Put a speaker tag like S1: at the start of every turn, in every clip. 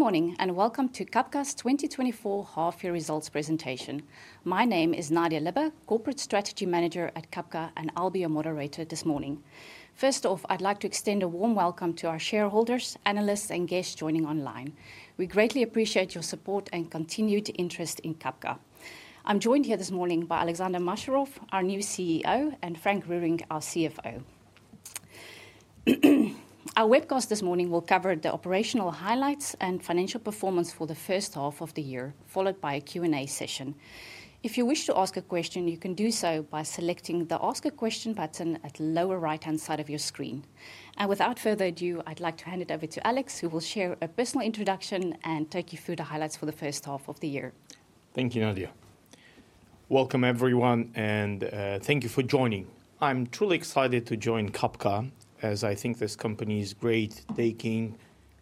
S1: Good morning, and welcome to Cabka's 2024 half-year results presentation. My name is Nadia Lubbe, Corporate Strategy Manager at Cabka, and I'll be your moderator this morning. First off, I'd like to extend a warm welcome to our shareholders, analysts, and guests joining online. We greatly appreciate your support and continued interest in Cabka. I'm joined here this morning by Alexander Masharov, our new CEO, and Frank Roerink, our CFO. Our webcast this morning will cover the operational highlights and financial performance for the first half of the year, followed by a Q&A session. If you wish to ask a question, you can do so by selecting the Ask a Question button at the lower right-hand side of your screen. Without further ado, I'd like to hand it over to Alex, who will share a personal introduction and take you through the highlights for the first half of the year.
S2: Thank you, Nadia. Welcome, everyone, and thank you for joining. I'm truly excited to join Cabka, as I think this company is great, taking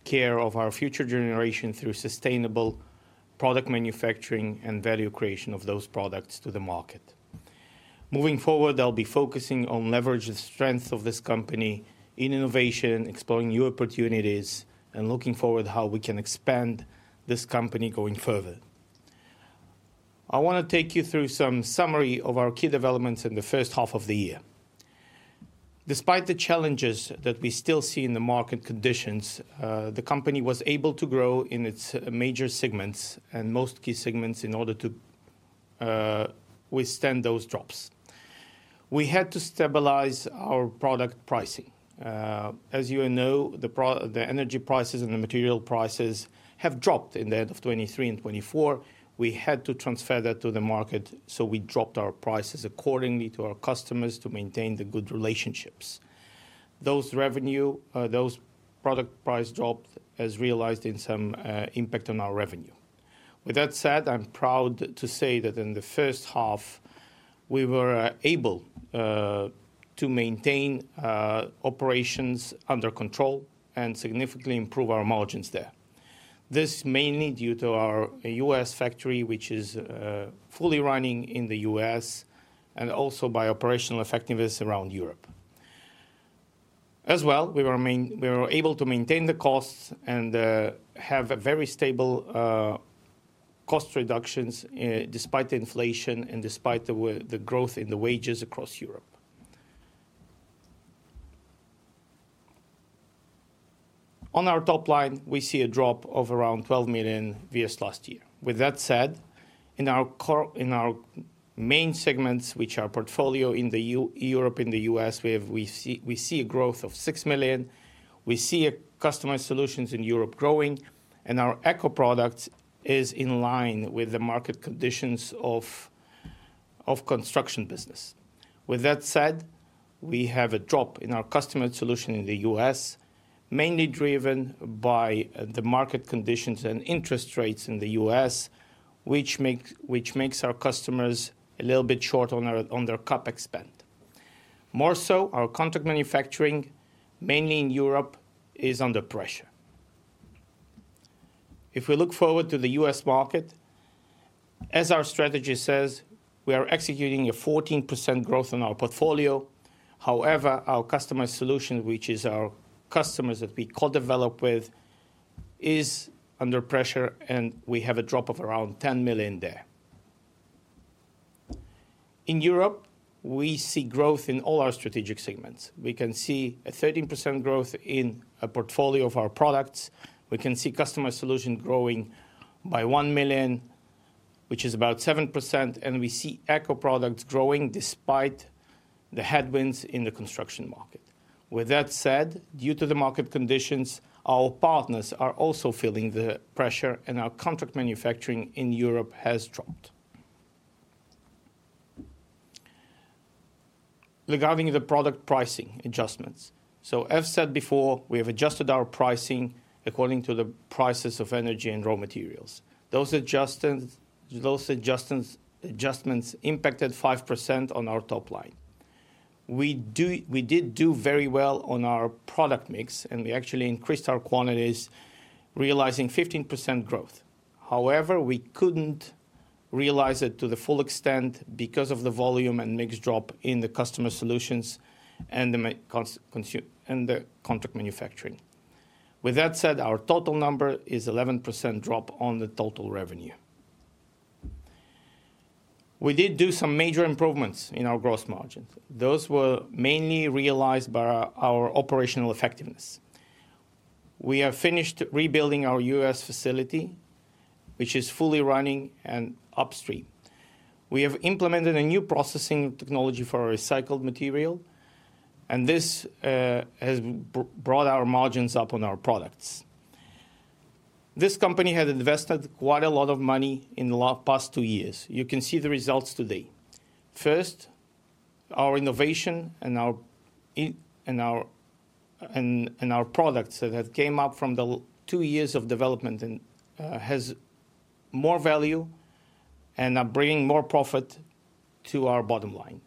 S2: care of our future generation through sustainable product manufacturing and value creation of those products to the market. Moving forward, I'll be focusing on leverage the strength of this company in innovation, exploring new opportunities, and looking forward how we can expand this company going further. I want to take you through some summary of our key developments in the first half of the year. Despite the challenges that we still see in the market conditions, the company was able to grow in its major segments and most key segments in order to withstand those drops. We had to stabilize our product pricing. As you all know, the energy prices and the material prices have dropped in the end of 2023 and 2024. We had to transfer that to the market, so we dropped our prices accordingly to our customers to maintain the good relationships. Those product price drop has realized in some impact on our revenue. With that said, I'm proud to say that in the first half, we were able to maintain operations under control and significantly improve our margins there. This mainly due to our U.S. factory, which is fully running in the U.S., and also by operational effectiveness around Europe. As well, we were able to maintain the costs and have a very stable cost reductions despite the inflation and despite the growth in the wages across Europe. On our top line, we see a drop of around 12 million versus last year. With that said, in our main segments, which are Portfolio in the Europe and the US, we see a growth of 6 million. We see Customized Solutions in Europe growing, and our Eco Products is in line with the market conditions of construction business. With that said, we have a drop in our Customized Solutions in the US, mainly driven by the market conditions and interest rates in the US, which makes our customers a little bit short on their CapEx spend. More so, our contract manufacturing, mainly in Europe, is under pressure. If we look forward to the U.S. market, as our strategy says, we are executing a 14% growth in our Portfolio. However, our Customized Solutions, which is our customers that we co-develop with, is under pressure, and we have a drop of around 10 million there. In Europe, we see growth in all our strategic segments. We can see a 13% growth in our Portfolio products. We can see Customized Solutions growing by 1 million, which is about 7%, and we see Eco Products growing despite the headwinds in the construction market. With that said, due to the market conditions, our partners are also feeling the pressure, and our contract manufacturing in Europe has dropped. Regarding the product pricing adjustments, so I've said before, we have adjusted our pricing according to the prices of energy and raw materials. Those adjustments, adjustments impacted 5% on our top line. We did do very well on our product mix, and we actually increased our quantities, realizing 15% growth. However, we couldn't realize it to the full extent because of the volume and mix drop in the Customized Solutions and the contract manufacturing. With that said, our total number is 11% drop on the total revenue. We did do some major improvements in our gross margins. Those were mainly realized by our operational effectiveness. We have finished rebuilding our U.S. facility, which is fully running and on upstream. We have implemented a new processing technology for recycled material, and this has brought our margins up on our products. This company has invested quite a lot of money in the last two years. You can see the results today. First, our innovation and our products that have came up from the two years of development and has more value and are bringing more profit to our bottom line.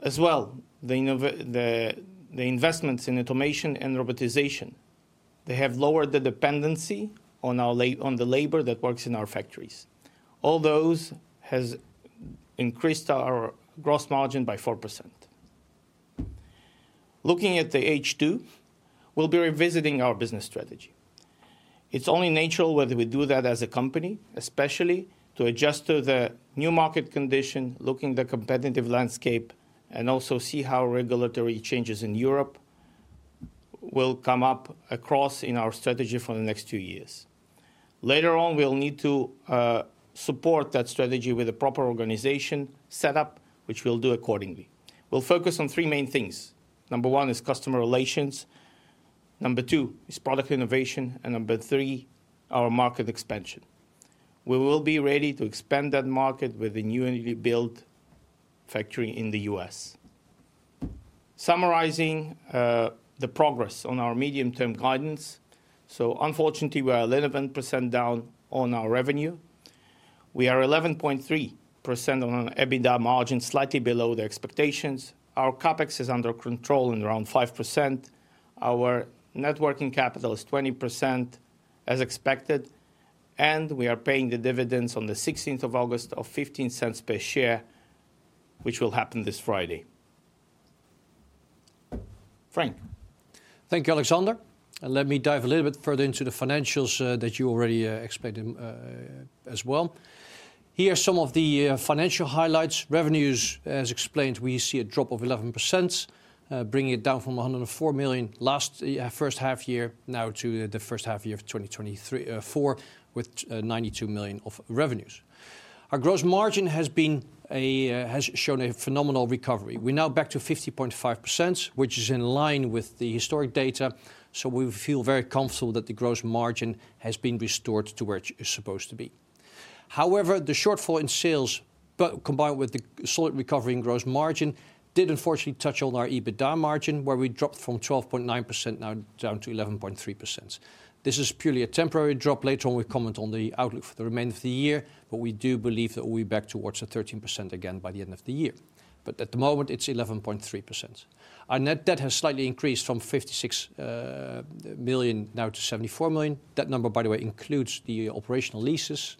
S2: As well, the investments in automation and robotization, they have lowered the dependency on our labor that works in our factories. All those has increased our gross margin by 4%. Looking at the H2, we'll be revisiting our business strategy. It's only natural whether we do that as a company, especially to adjust to the new market condition, looking the competitive landscape, and also see how regulatory changes in Europe will come up across in our strategy for the next two years. Later on, we'll need to support that strategy with a proper organization set up, which we'll do accordingly. We'll focus on three main things: number one is customer relations, number two is product innovation, and number three, our market expansion. We will be ready to expand that market with the new energy build factory in the U.S. Summarizing the progress on our medium-term guidance, so unfortunately, we are 11% down on our revenue. We are 11.3% on an EBITDA margin, slightly below the expectations. Our CapEx is under control and around 5%. Our net working capital is 20% as expected, and we are paying the dividends on the 16th of August of 0.15 per share, which will happen this Friday. Frank?
S3: Thank you, Alexander. Let me dive a little bit further into the financials that you already explained as well. Here are some of the financial highlights. Revenues, as explained, we see a drop of 11%, bringing it down from 104 million last first half year, now to the first half year of 2024 with 92 million of revenues. Our gross margin has shown a phenomenal recovery. We're now back to 50.5%, which is in line with the historic data, so we feel very comfortable that the gross margin has been restored to where it is supposed to be. However, the shortfall in sales, but combined with the solid recovery in gross margin, did unfortunately touch on our EBITDA margin, where we dropped from 12.9%, now down to 11.3%. This is purely a temporary drop. Later on, we comment on the outlook for the remainder of the year, but we do believe that we'll be back towards the 13% again by the end of the year. But at the moment it's 11.3%. Our net debt has slightly increased from 56 million, now to 74 million. That number, by the way, includes the operational leases.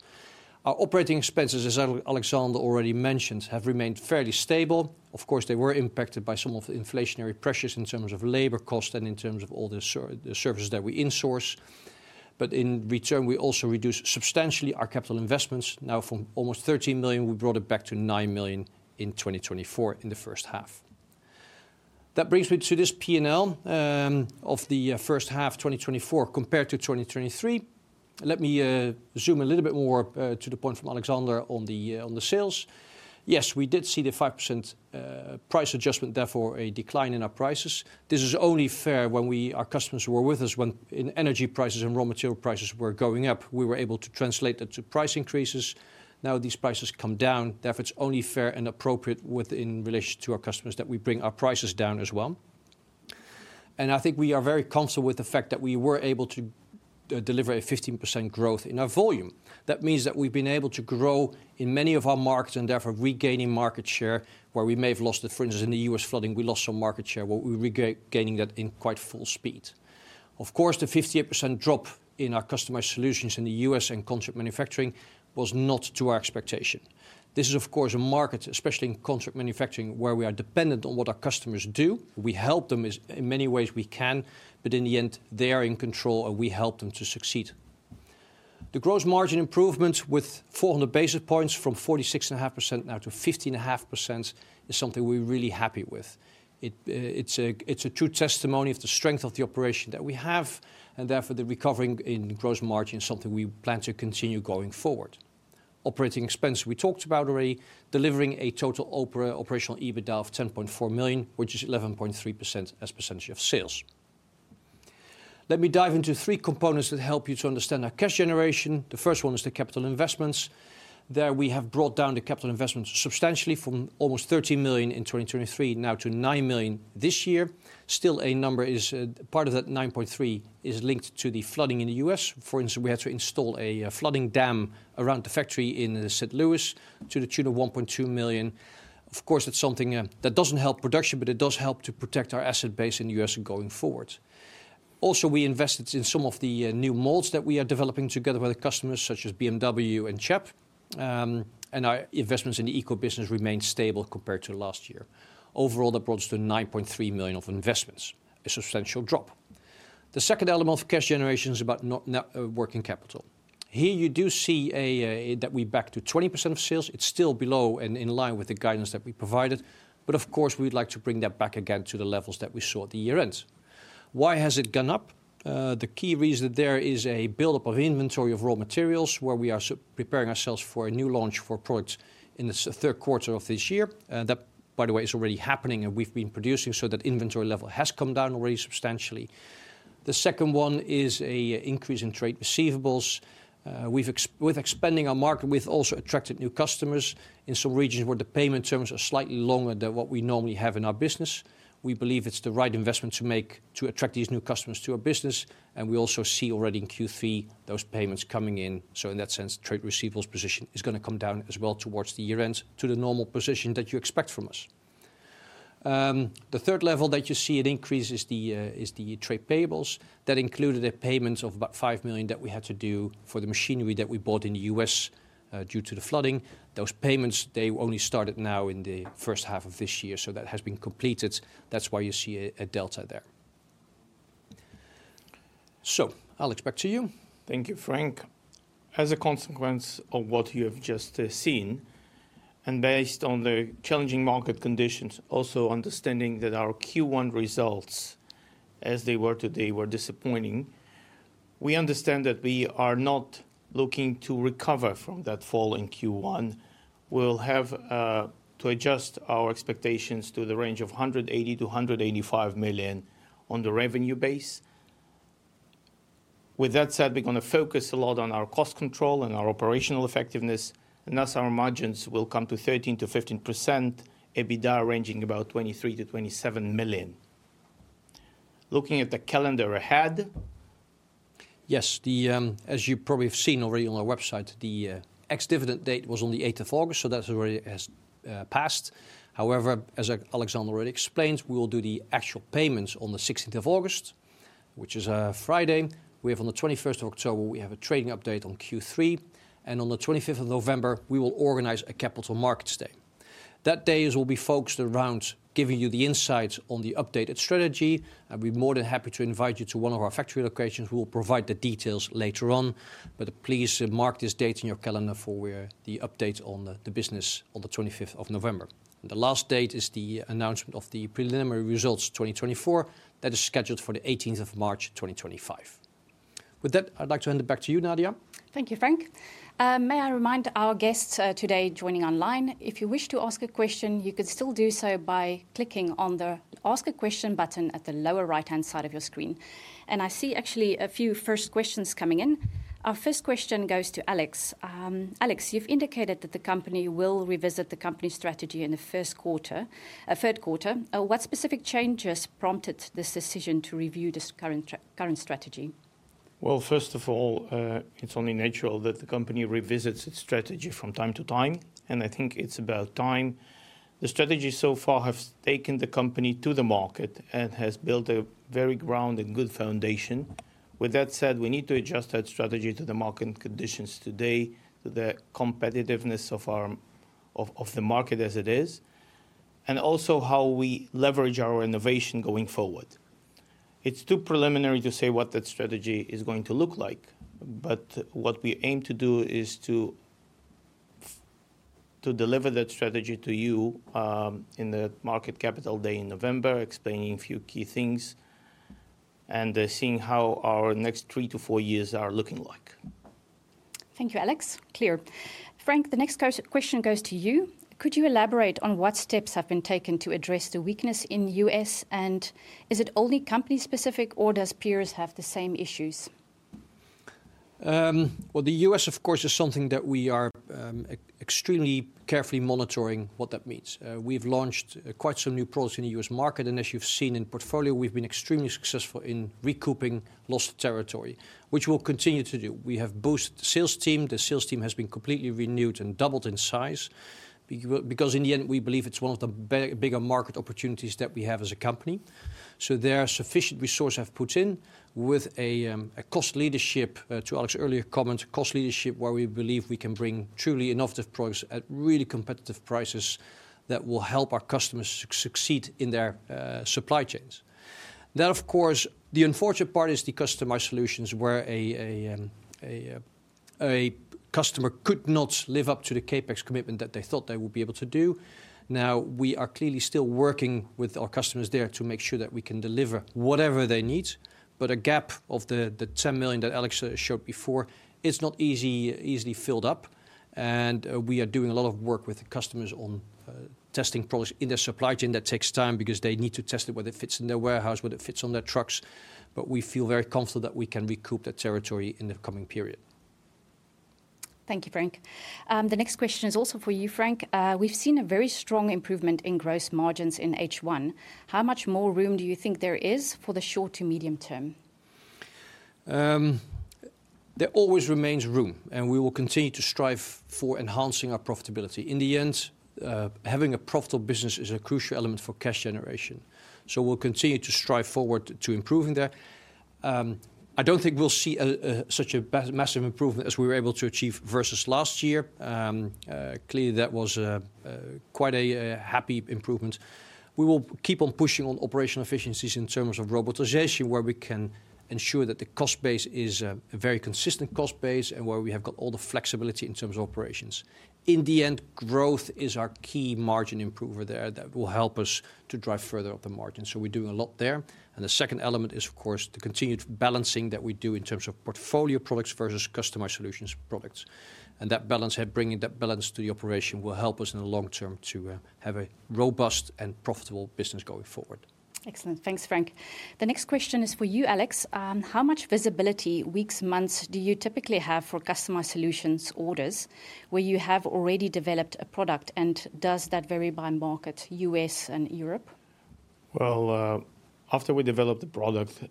S3: Our operating expenses, as Alexander already mentioned, have remained fairly stable. Of course, they were impacted by some of the inflationary pressures in terms of labor cost and in terms of all the services that we insource. But in return, we also reduced substantially our capital investments. Now, from almost 13 million, we brought it back to 9 million in 2024 in the first half. That brings me to this P&L of the first half 2024, compared to 2023. Let me zoom a little bit more to the point from Alexander on the sales. Yes, we did see the 5% price adjustment, therefore, a decline in our prices. This is only fair when we--Our customers were with us when, in energy prices and raw material prices were going up, we were able to translate that to price increases. Now, these prices come down. Therefore, it's only fair and appropriate within relation to our customers, that we bring our prices down as well. I think we are very comfortable with the fact that we were able to deliver a 15% growth in our volume. That means that we've been able to grow in many of our markets and therefore regaining market share, where we may have lost it. For instance, in the U.S. flooding, we lost some market share, but we're regaining that in quite full speed. Of course, the 58% drop in our Customized Solutions in the U.S. and contract manufacturing was not to our expectation. This is, of course, a market, especially in contract manufacturing, where we are dependent on what our customers do. We help them in many ways we can, but in the end, they are in control, and we help them to succeed. The gross margin improvements with 400 basis points from 46.5% now-50.5%, is something we're really happy with. It, it's a, it's a true testimony of the strength of the operation that we have, and therefore, the recovering in gross margin is something we plan to continue going forward. Operating expense, we talked about already, delivering a total operational EBITDA of 10.4 million, which is 11.3% as a percentage of sales. Let me dive into three components that help you to understand our cash generation. The first one is the capital investments. There, we have brought down the capital investments substantially from almost 13 million in 2023, now-EUR 9 million this year. Still, a number is, part of that 9.3 million is linked to the flooding in the U.S. For instance, we had to install a flooding dam around the factory in St. Louis to the tune of 1.2 million. Of course, it's something that doesn't help production, but it does help to protect our asset base in the U.S. going forward. Also, we invested in some of the new molds that we are developing together with the customers, such as BMW and CHEP. And our investments in the eco business remained stable compared to last year. Overall, that brings us to 9.3 million of investments, a substantial drop. The second element of cash generation is about net working capital. Here, you do see that we're back to 20% of sales. It's still below and in line with the guidance that we provided, but of course, we'd like to bring that back again to the levels that we saw at the year-end. Why has it gone up? The key reason there is a buildup of inventory of raw materials, where we are preparing ourselves for a new launch for products in the third quarter of this year. That, by the way, is already happening, and we've been producing, so that inventory level has come down already substantially. The second one is an increase in trade receivables. With expanding our market, we've also attracted new customers in some regions where the payment terms are slightly longer than what we normally have in our business. We believe it's the right investment to make to attract these new customers to our business, and we also see already in Q3, those payments coming in. So in that sense, trade receivables position is going to come down as well towards the year-end, to the normal position that you expect from us. The third level that you see, it increases the, is the trade payables. That included the payments of about $5 million that we had to do for the machinery that we bought in the U.S., due to the flooding. Those payments, they only started now in the first half of this year, so that has been completed. That's why you see a delta there. So, Alex, back to you.
S2: Thank you, Frank. As a consequence of what you have just seen, and based on the challenging market conditions, also understanding that our Q1 results, as they were today, were disappointing, we understand that we are not looking to recover from that fall in Q1. We'll have to adjust our expectations to the range of 180 million- 185 million on the revenue base. With that said, we're gonna focus a lot on our cost control and our operational effectiveness, and thus our margins will come to 13%-15%, EBITDA ranging about 23 million- 27 million. Looking at the calendar ahead-
S3: Yes. As you probably have seen already on our website, the ex-dividend date was on the eighth of August, so that already has passed. However, as Alexander already explained, we will do the actual payments on the 16th of August, which is a Friday. We have on the twenty-first of October, we have a trading update on Q3, and on the 25th of November, we will organize a Capital Markets Day. That day will be focused around giving you the insights on the updated strategy. I'd be more than happy to invite you to one of our factory locations. We will provide the details later on, but please mark this date in your calendar for the update on the business on the 25th of November. The last date is the announcement of the preliminary results 2024. That is scheduled for the 18th of March, 2025. With that, I'd like to hand it back to you, Nadia.
S1: Thank you, Frank. May I remind our guests today joining online, if you wish to ask a question, you can still do so by clicking on the Ask a Question button at the lower right-hand side of your screen. I see actually a few first questions coming in. Our first question goes to Alex. Alex, you've indicated that the company will revisit the company strategy in the first quarter, third quarter. What specific changes prompted this decision to review this current strategy?
S2: Well, first of all, it's only natural that the company revisits its strategy from time-to-time, and I think it's about time. The strategy so far has taken the company to the market and has built a very sound and good foundation. With that said, we need to adjust that strategy to the market conditions today, to the competitiveness of our of the market as it is, and also how we leverage our innovation going forward. It's too preliminary to say what that strategy is going to look like, but what we aim to do is to deliver that strategy to you in the Capital Markets Day in November, explaining a few key things and seeing how our next 3-4 years are looking like.
S1: Thank you, Alex. Clear. Frank, the next course, question goes to you: Could you elaborate on what steps have been taken to address the weakness in U.S., and is it only company specific or does peers have the same issues?
S3: Well, the U.S., of course, is something that we are extremely carefully monitoring what that means. We've launched quite some new products in the US market, and as you've seen in portfolio, we've been extremely successful in recouping lost territory, which we'll continue to do. We have boosted the sales team. The sales team has been completely renewed and doubled in size, because in the end, we believe it's one of the bigger market opportunities that we have as a company. So there, sufficient resource I've put in with a cost leadership, to Alex's earlier comment, cost leadership, where we believe we can bring truly innovative products at really competitive prices that will help our customers succeed in their supply chains. Then, of course, the unfortunate part is the customized solutions, where a customer could not live up to the CapEx commitment that they thought they would be able to do. Now, we are clearly still working with our customers there to make sure that we can deliver whatever they need, but a gap of 10 million that Alex showed before, it's not easily filled up, and we are doing a lot of work with the customers on testing products in their supply chain. That takes time because they need to test it, whether it fits in their warehouse, whether it fits on their trucks, but we feel very confident that we can recoup that territory in the coming period.
S1: Thank you, Frank. The next question is also for you, Frank. We've seen a very strong improvement in gross margins in H1. How much more room do you think there is for the short to medium term?
S3: There always remains room, and we will continue to strive for enhancing our profitability. In the end, having a profitable business is a crucial element for cash generation, so we'll continue to strive forward to improving that. I don't think we'll see such a massive improvement as we were able to achieve versus last year. Clearly, that was quite a happy improvement. We will keep on pushing on operational efficiencies in terms of robotization, where we can ensure that the cost base is a very consistent cost base and where we have got all the flexibility in terms of operations. In the end, growth is our key margin improver there that will help us to drive further up the margin, so we're doing a lot there. The second element is, of course, the continued balancing that we do in terms of portfolio products versus customized solutions products, and that balance, helping bringing that balance to the operation will help us in the long term to have a robust and profitable business going forward.
S1: Excellent. Thanks, Frank. The next question is for you, Alex. How much visibility, weeks, months, do you typically have for customized solutions orders, where you have already developed a product, and does that vary by market, U.S. and Europe?
S2: Well, after we develop the product,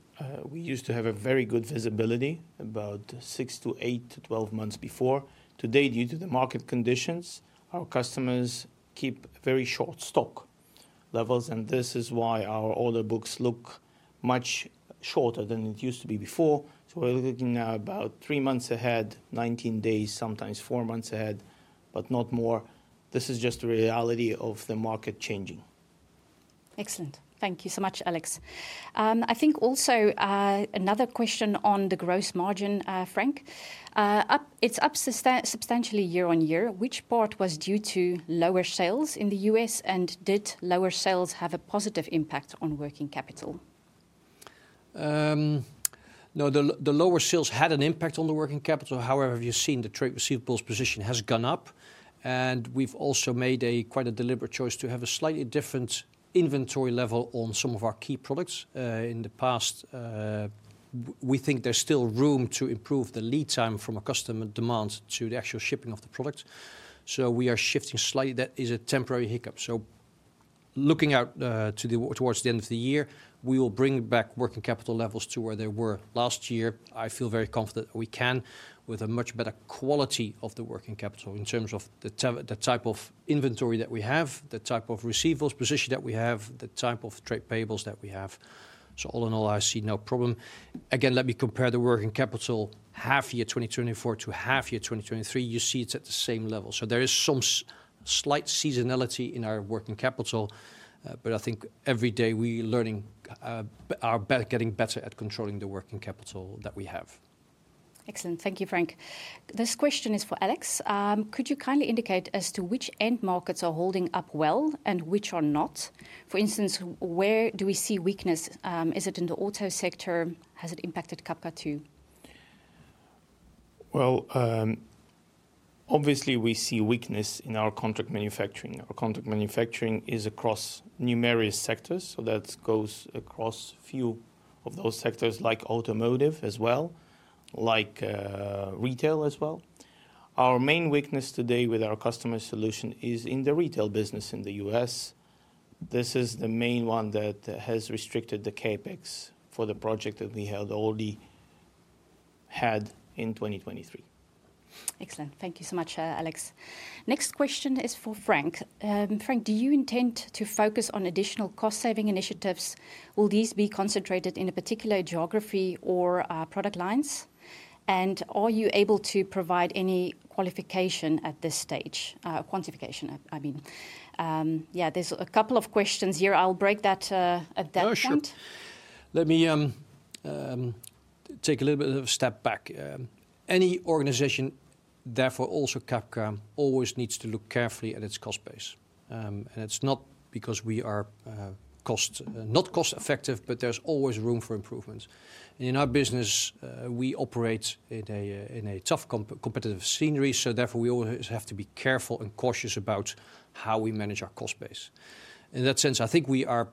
S2: we used to have a very good visibility, about 6-8-12 months before. Today, due to the market conditions, our customers keep very short stock levels, and this is why our order books look much shorter than it used to be before. So we're looking at about three months ahead, 19 days, sometimes four months ahead, but not more. This is just the reality of the market changing.
S1: Excellent. Thank you so much, Alex. I think also, another question on the gross margin, Frank. It's up substantially year-on-year. Which part was due to lower sales in the U.S., and did lower sales have a positive impact on working capital?
S3: No, the lower sales had an impact on the working capital. However, you've seen the trade receivables position has gone up, and we've also made quite a deliberate choice to have a slightly different inventory level on some of our key products. In the past, we think there's still room to improve the lead time from a customer demand to the actual shipping of the product, so we are shifting slightly. That is a temporary hiccup. So looking out, towards the end of the year, we will bring back working capital levels to where they were last year. I feel very confident we can, with a much better quality of the working capital in terms of the type of inventory that we have, the type of receivables position that we have, the type of trade payables that we have. So all in all, I see no problem. Again, let me compare the working capital half year 2024-half year 2023, you see it's at the same level. So there is some slight seasonality in our working capital, but I think every day we learning, are getting better at controlling the working capital that we have.
S1: Excellent. Thank you, Frank. This question is for Alex. Could you kindly indicate as to which end markets are holding up well and which are not? For instance, where do we see weakness? Is it in the auto sector? Has it impacted Cabka too?
S2: Well, obviously, we see weakness in our contract manufacturing. Our contract manufacturing is across numerous sectors, so that goes across a few of those sectors, like automotive as well, like retail as well. Our main weakness today with our customer solution is in the retail business in the U.S. This is the main one that has restricted the CapEx for the project that we had already had in 2023.
S1: Excellent. Thank you so much, Alex. Next question is for Frank. Frank, do you intend to focus on additional cost-saving initiatives? Will these be concentrated in a particular geography or product lines? And are you able to provide any qualification at this stage, quantification, I mean? Yeah, there's a couple of questions here. I'll break that at that point.
S3: Oh, sure. Let me take a little bit of a step back. Any organization, therefore also Cabka, always needs to look carefully at its cost base. And it's not because we are cost- not cost effective, but there's always room for improvement. And in our business, we operate in a tough competitive scenario, so therefore, we always have to be careful and cautious about how we manage our cost base. In that sense, I think we are,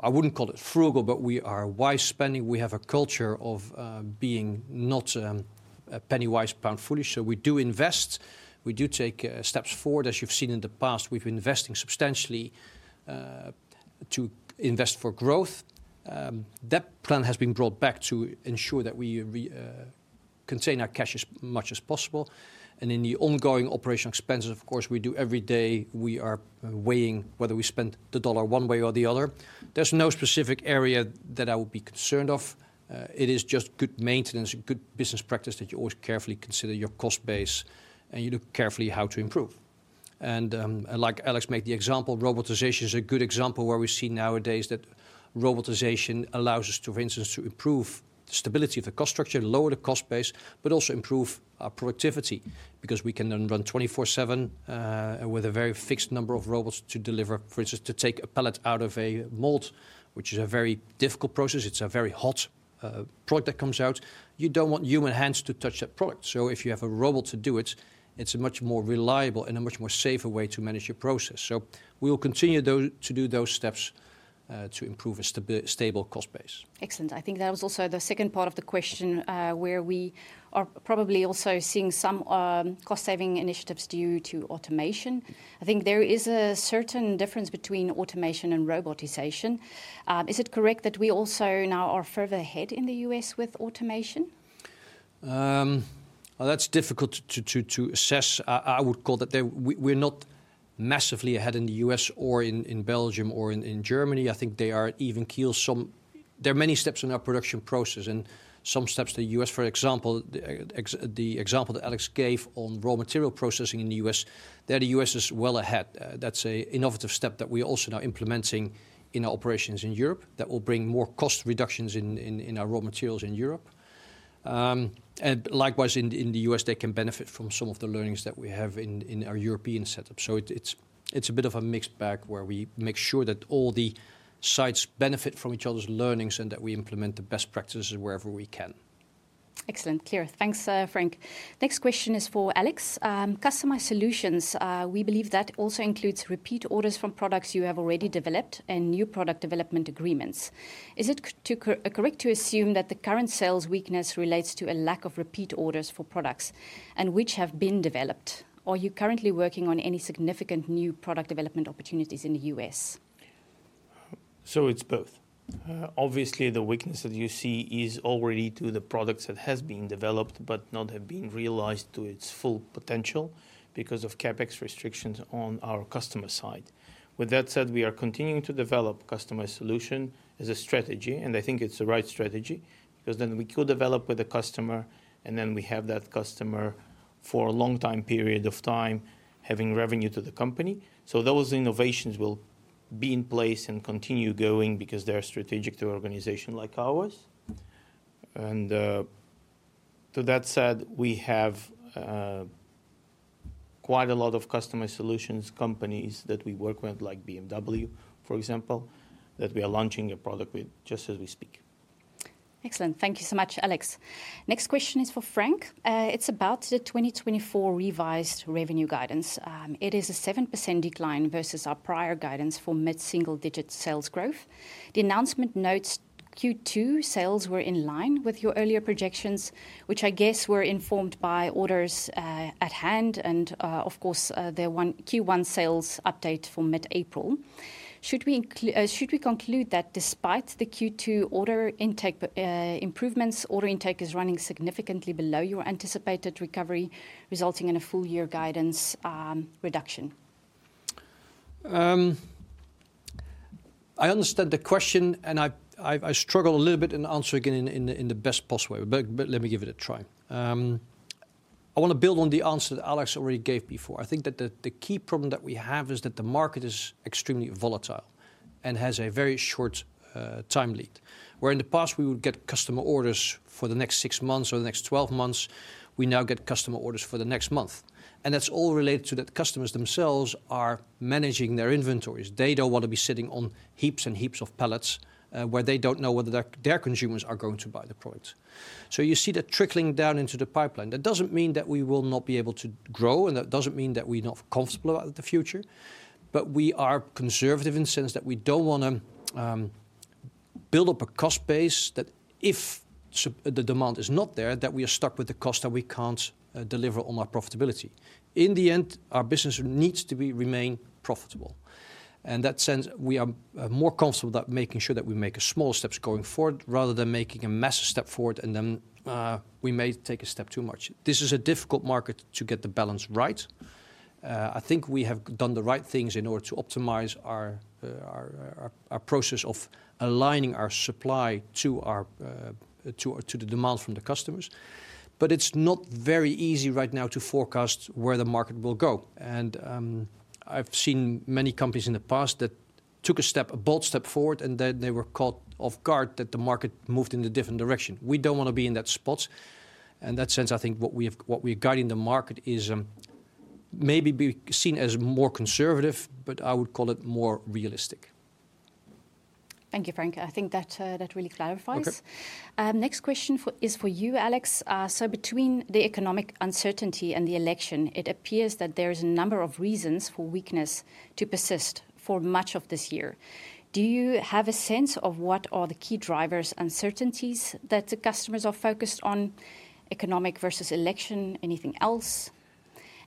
S3: I wouldn't call it frugal, but we are wise spending. We have a culture of being not a penny wise, pound foolish, so we do invest. We do take steps forward. As you've seen in the past, we've been investing substantially to invest for growth. That plan has been brought back to ensure that we contain our cash as much as possible. And in the ongoing operational expenses, of course, we do every day, we are weighing whether we spend the U.S. dollar one way or the other. There's no specific area that I would be concerned of. It is just good maintenance, good business practice, that you always carefully consider your cost base, and you look carefully how to improve. And like Alex made the example, robotization is a good example where we see nowadays that robotization allows us to, for instance, to improve stability of the cost structure, lower the cost base, but also improve our productivity, because we can then run 24/7 with a very fixed number of robots to deliver, for instance, to take a pallet out of a mold, which is a very difficult process. It's a very hot product that comes out. You don't want human hands to touch that product, so if you have a robot to do it, it's a much more reliable and a much more safer way to manage your process. So we will continue to do those steps to improve a stable cost base.
S1: Excellent. I think that was also the second part of the question, where we are probably also seeing some cost-saving initiatives due to automation. I think there is a certain difference between automation and robotization. Is it correct that we also now are further ahead in the U.S. with automation?
S3: Well, that's difficult to assess. I would call that they. We, we're not massively ahead in the US or in Belgium, or in Germany. I think they are at even keel. There are many steps in our production process, and some steps, the U.S., for example, the example that Alex gave on raw material processing in the U.S., there, the U.S. is well ahead. That's an innovative step that we're also now implementing in our operations in Europe that will bring more cost reductions in our raw materials in Europe. And likewise, in the U.S., they can benefit from some of the learnings that we have in our European setup. So it's a bit of a mixed bag, where we make sure that all the sites benefit from each other's learnings and that we implement the best practices wherever we can.
S1: Excellent. Clear. Thanks, Frank. Next question is for Alex. Customized Solutions, we believe that also includes repeat orders from products you have already developed and new product development agreements. Is it correct to assume that the current sales weakness relates to a lack of repeat orders for products and which have been developed? Are you currently working on any significant new product development opportunities in the U.S.?
S2: So it's both. Obviously, the weakness that you see is already to the products that has been developed, but not have been realized to its full potential because of CapEx restrictions on our customer side. With that said, we are continuing to develop customized solution as a strategy, and I think it's the right strategy, because then we co-develop with the customer, and then we have that customer for a long time period of time, having revenue to the company. So those innovations will be in place and continue going because they're strategic to an organization like ours. And, with that said, we have quite a lot of customer solutions companies that we work with, like BMW, for example, that we are launching a product with just as we speak.
S1: Excellent. Thank you so much, Alex. Next question is for Frank. It's about the 2024 revised revenue guidance. It is a 7% decline versus our prior guidance for mid-single-digit sales growth. The announcement notes Q2 sales were in line with your earlier projections, which I guess were informed by orders at hand, and, of course, the Q1 sales update for mid-April. Should we conclude that despite the Q2 order intake improvements, order intake is running significantly below your anticipated recovery, resulting in a full-year guidance reduction?
S3: I understand the question, and I struggle a little bit in answering it in the best possible way, but let me give it a try. I want to build on the answer that Alex already gave before. I think that the key problem that we have is that the market is extremely volatile and has a very short time lead, where in the past we would get customer orders for the next six months or the next 12 months, we now get customer orders for the next month, and that's all related to that customers themselves are managing their inventories. They don't want to be sitting on heaps and heaps of pallets, where they don't know whether their consumers are going to buy the products. So you see that trickling down into the pipeline. That doesn't mean that we will not be able to grow, and that doesn't mean that we're not comfortable about the future. But we are conservative in the sense that we don't want to build up a cost base, that if the demand is not there, that we are stuck with the cost, and we can't deliver on our profitability. In the end, our business needs to be remain profitable. In that sense, we are more comfortable about making sure that we make small steps going forward, rather than making a massive step forward, and then we may take a step too much. This is a difficult market to get the balance right. I think we have done the right things in order to optimize our process of aligning our supply to our to the demand from the customers, but it's not very easy right now to forecast where the market will go. I've seen many companies in the past that took a step, a bold step forward, and then they were caught off guard that the market moved in a different direction. We don't want to be in that spot. In that sense, I think what we have—what we're guiding the market is, maybe be seen as more conservative, but I would call it more realistic.
S1: Thank you, Frank. I think that really clarifies.
S3: Okay.
S1: Next question is for you, Alex. So between the economic uncertainty and the election, it appears that there is a number of reasons for weakness to persist for much of this year. Do you have a sense of what are the key drivers, uncertainties, that the customers are focused on, economic versus election, anything else?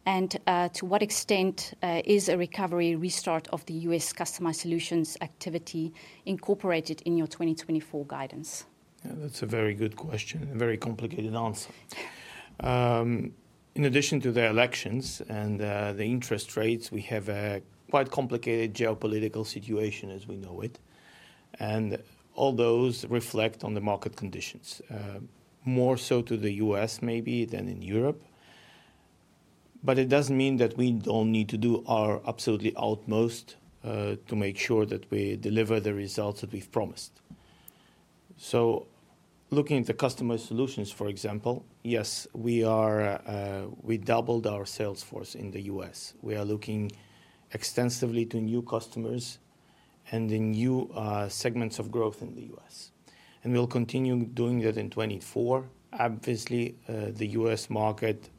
S1: And to what extent is a recovery restart of the US Customized Solutions activity incorporated in your 2024 guidance?
S2: Yeah, that's a very good question and a very complicated answer. In addition to the elections and the interest rates, we have a quite complicated geopolitical situation as we know it, and all those reflect on the market conditions, more so to the U.S. maybe than in Europe. But it doesn't mean that we don't need to do our absolutely utmost to make sure that we deliver the results that we've promised. So looking at the customer solutions, for example, yes, we are, we doubled our sales force in the U.S. We are looking extensively to new customers and in new segments of growth in the U.S., and we'll continue doing that in 2024. Obviously, the U.S. market,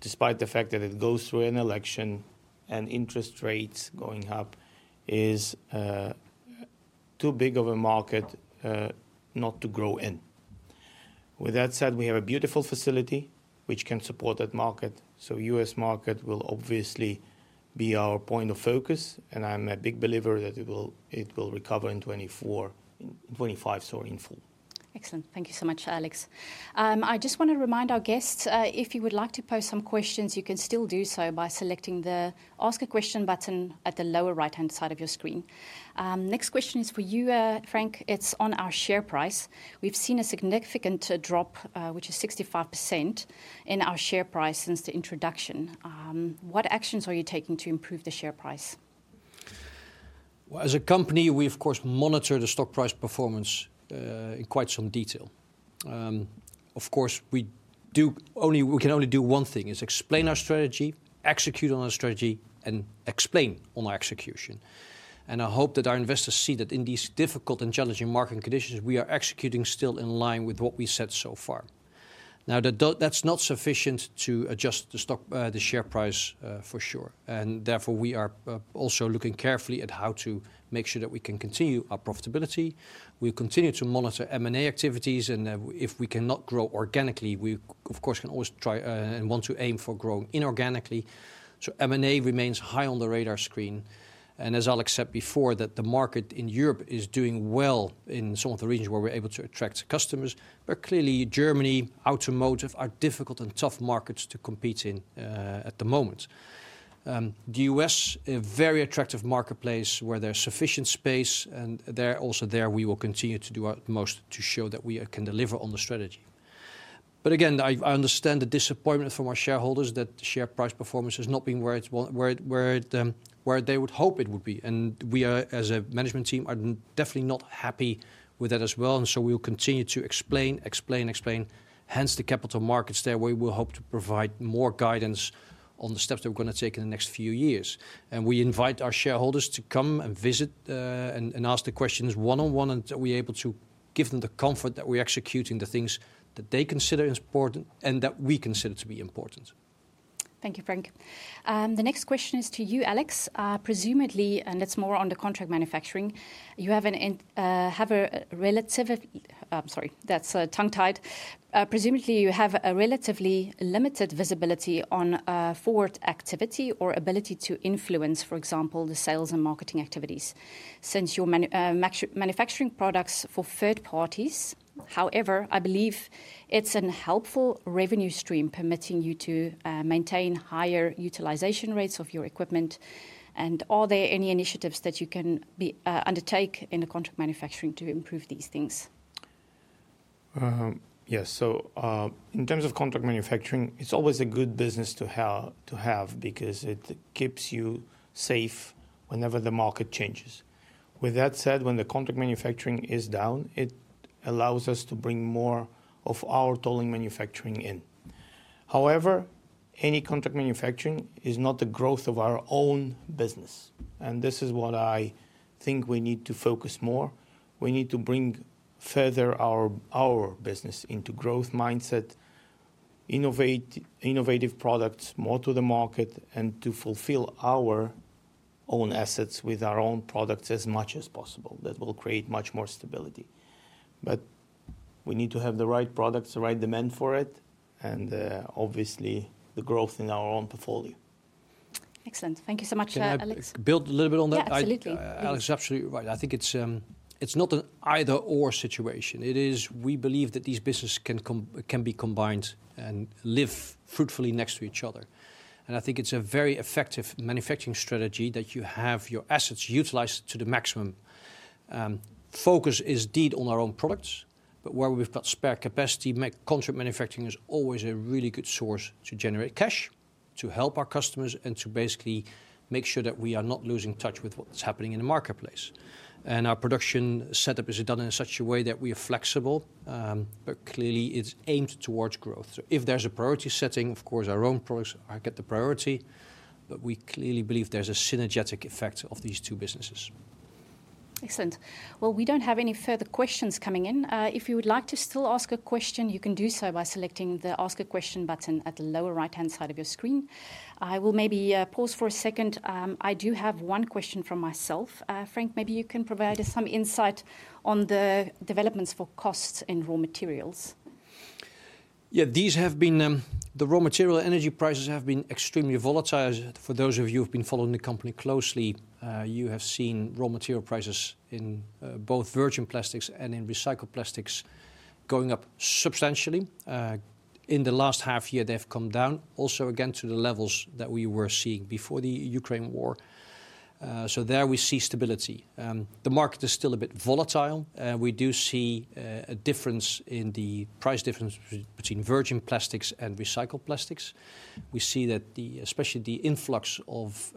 S2: despite the fact that it goes through an election and interest rates going up, is too big of a market not to grow in. With that said, we have a beautiful facility which can support that market, so U.S. market will obviously be our point of focus, and I'm a big believer that it will recover in 2024, in 2025, sorry, in full.
S1: Excellent. Thank you so much, Alex. I just want to remind our guests, if you would like to pose some questions, you can still do so by selecting the Ask a Question button at the lower right-hand side of your screen. Next question is for you, Frank. It's on our share price. We've seen a significant drop, which is 65%, in our share price since the introduction. What actions are you taking to improve the share price?
S3: Well, as a company, we of course monitor the stock price performance in quite some detail. Of course, we can only do one thing, is explain our strategy, execute on our strategy, and explain on our execution. And I hope that our investors see that in these difficult and challenging market conditions, we are executing still in line with what we said so far. Now, that's not sufficient to adjust the stock, the share price, for sure, and therefore, we are also looking carefully at how to make sure that we can continue our profitability. We continue to monitor M&A activities, and if we cannot grow organically, we of course, can always try, and want to aim for growing inorganically. So M&A remains high on the radar screen, and as Alex said before, that the market in Europe is doing well in some of the regions where we're able to attract customers. But clearly, Germany automotive are difficult and tough markets to compete in, at the moment. The U.S., a very attractive marketplace where there's sufficient space, and there, also there, we will continue to do our most to show that we can deliver on the strategy. But again, I understand the disappointment from our shareholders that the share price performance has not been where it where they would hope it would be, and we, as a management team, are definitely not happy with that as well, and so we will continue to explain, explain, explain, hence the Capital Markets Day, where we hope to provide more guidance on the steps that we're gonna take in the next few years. And we invite our shareholders to come and visit, and ask the questions one-on-one, and are we able to give them the comfort that we're executing the things that they consider as important and that we consider to be important.
S1: Thank you, Frank. The next question is to you, Alex. Presumably, you have a relatively limited visibility on forward activity or ability to influence, for example, the sales and marketing activities since you're manufacturing products for third parties. However, I believe it's an helpful revenue stream, permitting you to maintain higher utilization rates of your equipment. Are there any initiatives that you can undertake in the contract manufacturing to improve these things?
S2: Yes. So, in terms of contract manufacturing, it's always a good business, to have because it keeps you safe whenever the market changes. With that said, when the contract manufacturing is down, it allows us to bring more of our toll manufacturing in. However, any contract manufacturing is not the growth of our own business, and this is what I think we need to focus more. We need to bring further our business into growth mindset, innovate, innovative products more to the market, and to fulfill our own assets with our own products as much as possible. That will create much more stability. But we need to have the right products, the right demand for it, and, obviously, the growth in our own portfolio.
S1: Excellent. Thank you so much, Alex.
S3: Can I build a little bit on that?
S1: Yeah, absolutely. Please.
S3: Alex is absolutely right. I think it's, it's not an either/or situation. It is--we believe that these businesses can be combined and live fruitfully next to each other, and I think it's a very effective manufacturing strategy that you have your assets utilized to the maximum. Focus is indeed on our own products, but where we've got spare capacity, make contract manufacturing is always a really good source to generate cash, to help our customers, and to basically make sure that we are not losing touch with what's happening in the marketplace. And our production setup is done in such a way that we are flexible, but clearly, it's aimed towards growth. So if there's a priority setting, of course, our own products get the priority, but we clearly believe there's a synergetic effect of these two businesses.
S1: Excellent. Well, we don't have any further questions coming in. If you would like to still ask a question, you can do so by selecting the Ask a Question button at the lower right-hand side of your screen. I will maybe pause for a second. I do have one question from myself. Frank, maybe you can provide us some insight on the developments for costs in raw materials.
S3: Yeah, these have been, the raw material energy prices have been extremely volatile. For those of you who've been following the company closely, you have seen raw material prices in, both virgin plastics and in recycled plastics going up substantially. In the last half year, they've come down, also again, to the levels that we were seeing before the Ukraine war. So there we see stability. The market is still a bit volatile, and we do see, a difference in the price difference between virgin plastics and recycled plastics. We see that the, especially the influx of,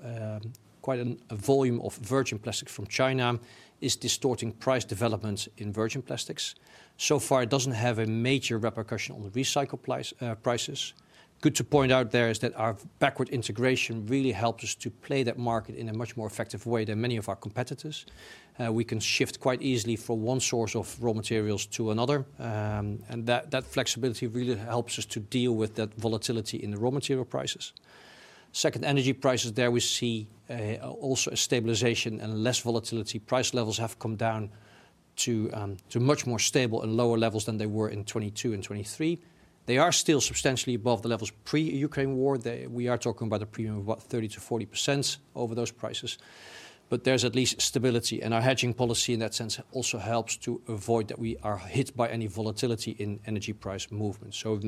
S3: quite a volume of virgin plastic from China, is distorting price developments in virgin plastics. So far, it doesn't have a major repercussion on the recycled plastics prices. Good to point out there is that our backward integration really helped us to play that market in a much more effective way than many of our competitors. We can shift quite easily from one source of raw materials to another, and that flexibility really helps us to deal with that volatility in the raw material prices. Second, energy prices, there we see also a stabilization and less volatility. Price levels have come down to much more stable and lower levels than they were in 2022 and 2023. They are still substantially above the levels pre-Ukraine war. We are talking about a premium of about 30%-40% over those prices, but there's at least stability, and our hedging policy, in that sense, also helps to avoid that we are hit by any volatility in energy price movements, so,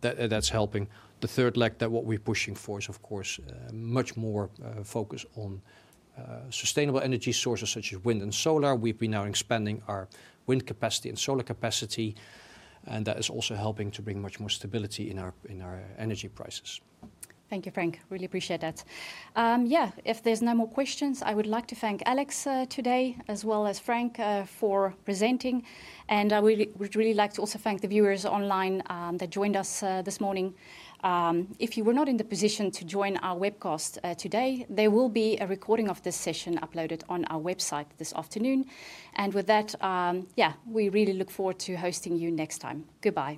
S3: that's helping. The third leg that what we're pushing for is, of course, much more focus on sustainable energy sources, such as wind and solar. We've been now expanding our wind capacity and solar capacity, and that is also helping to bring much more stability in our energy prices.
S1: Thank you, Frank. Really appreciate that. Yeah, if there's no more questions, I would like to thank Alex today, as well as Frank, for presenting, and I would really, would really like to also thank the viewers online that joined us this morning. If you were not in the position to join our webcast today, there will be a recording of this session uploaded on our website this afternoon, and with that, yeah, we really look forward to hosting you next time. Goodbye.